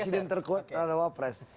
presiden terkuat ada wapres